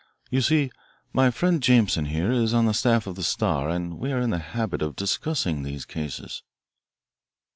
"You see, my friend Jameson here is on the staff of the Star, and we are in the habit of discussing these cases."